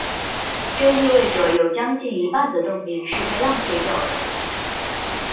这意味者有将近一半的动力是被浪费掉的。